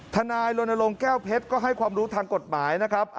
ทนายรณรงค์แก้วเพชรก็ให้ความรู้ทางกฎหมายนะครับ